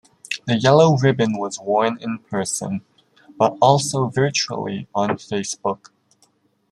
The yellow ribbon was worn in person, but also virtually on Facebook.